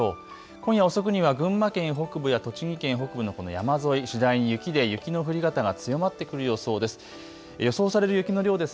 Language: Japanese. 今夜遅くには群馬県北部や栃木県北部のこの山沿い、次第に雪で雪の降り方が強まってくる予想です。